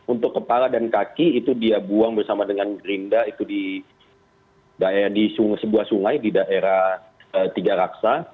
untuk kepala dan kaki itu dia buang bersama dengan gerinda itu di sebuah sungai di daerah tiga raksa